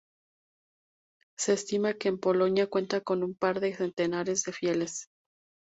Se estima que en Polonia cuenta con un par de centenares de fieles.